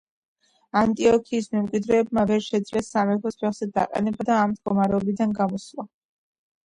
ანტიოქოსის მემკვიდრეებმა ვერ შეძლეს სამეფოს ფეხზე დაყენება და ამ მდგომარეობიდან გამოსვლა.